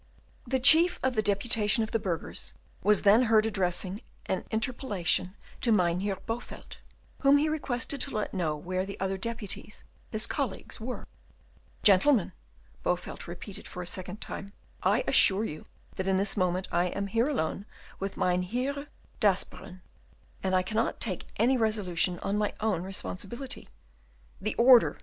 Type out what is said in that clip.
The chief of the deputation of the burghers was then heard addressing an interpellation to Mynheer Bowelt, whom he requested to let them know where the other deputies, his colleagues, were. "Gentlemen," Bowelt repeated for the second time, "I assure you that in this moment I am here alone with Mynheer d'Asperen, and I cannot take any resolution on my own responsibility." "The order!